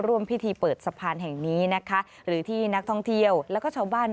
ร่วมพิธีเปิดสะพานแห่งนี้นะคะหรือที่นักท่องเที่ยวแล้วก็ชาวบ้าน